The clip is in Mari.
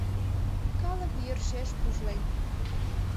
Калык йӧршеш пужлен.